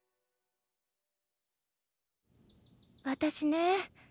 私ね